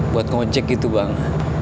buat ngojek gitu bang